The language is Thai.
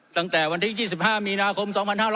ตั้งแต่วันที่๒๕มีนาคม๒๕๕๙